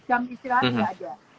jam istirahat tidak ada